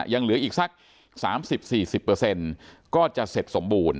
ยังเหลืออีกสัก๓๐๔๐เปอร์เซ็นต์ก็จะเสร็จสมบูรณ์